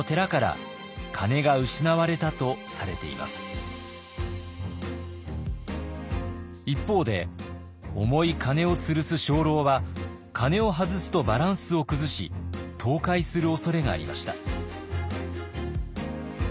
実に一方で重い鐘をつるす鐘楼は鐘を外すとバランスを崩し倒壊するおそれがありました。